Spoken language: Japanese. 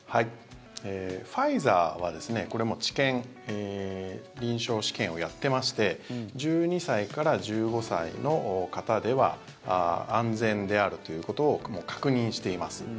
ファイザーはこれはもう治験、臨床試験をやっていまして１２歳から１５歳の方では安全であるということを確認しています。